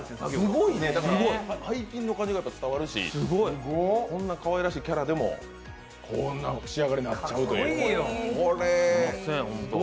背筋の感じが伝わるし、こんなかわいらしいキャラでもこんな仕上がりになっちゃう。